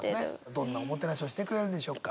どんなおもてなしをしてくれるんでしょうか？